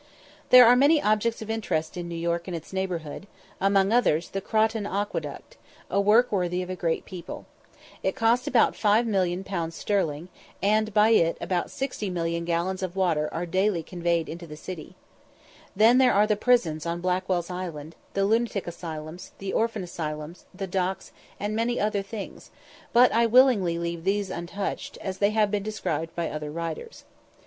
There are many objects of interest in New York and its neighbourhood, among others, the Croton aqueduct, a work worthy of a great people. It cost about 5,000,000_l._ sterling, and by it about 60,000,000 gallons of water are daily conveyed into the city. Then there are the prisons on Blackwell's Island, the lunatic asylums, the orphan asylums, the docks, and many other things; but I willingly leave these untouched, as they have been described by other writers.